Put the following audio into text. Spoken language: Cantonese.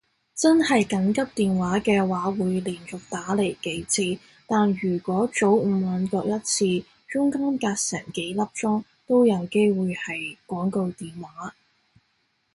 真係緊急電話嘅話會連續打嚟幾次，但如果早午晚各一次中間隔成幾粒鐘都有機會係廣告電話